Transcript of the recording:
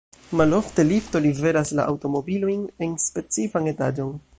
Malofte, lifto liveras la aŭtomobilojn en specifan etaĝon.